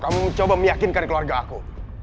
kamu coba meyakinkan keluarga aku